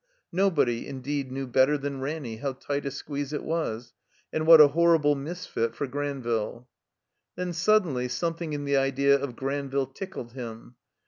Nobody, indeed, knew better than Ranny how tight a squeeze it was; and what a horrible misfit for Granville. Then suddenly something in the idea of Granville tickled him.